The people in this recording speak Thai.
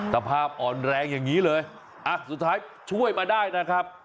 สภาพอ่อนแรงอย่างนี้เลยอ่ะสุดท้ายช่วยมาได้นะครับ